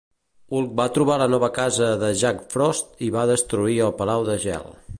Hulk va trobar la nova casa de Jack Frost i va destruir el palau de gel.